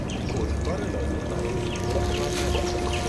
او پشتکار لازم برای این شغل را نداشت.